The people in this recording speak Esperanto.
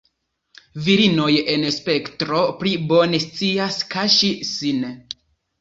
Virinoj en spektro pli bone scias kaŝi sin.